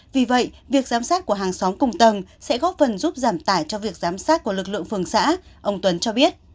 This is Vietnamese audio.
vì vậy việc giám sát của hàng xóm cùng tầng sẽ góp phần giúp giảm tải cho việc giám sát của lực lượng phường xã ông tuấn cho biết